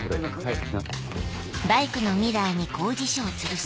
はい。